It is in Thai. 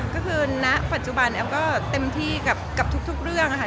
ก็คือณปัจจุบันแอฟก็เต็มที่กับทุกเรื่องค่ะ